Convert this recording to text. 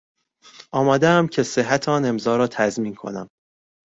آمادهام که صحت آن امضا را تضمین کنم